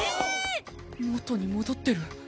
元に戻ってる。